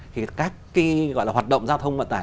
thì các cái gọi là hoạt động giao thông vận tải